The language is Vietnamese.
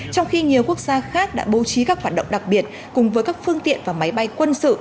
trong khi nhiều quốc gia khác đã bố trí các hoạt động đặc biệt cùng với các phương tiện và máy bay quân sự